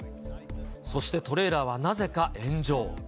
そして、トレーラーはなぜか炎上。